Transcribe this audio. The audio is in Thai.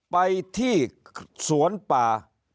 ไปที่สวนป่า